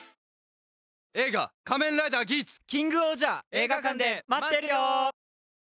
映画館で待ってるよ！